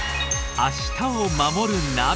「明日をまもるナビ」